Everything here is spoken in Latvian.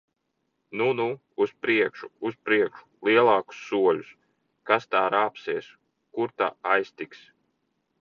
Nu, nu! Uz priekšu! Uz priekšu! Lielākus soļus! Kas tā rāpsies! Kur ta aiztiks!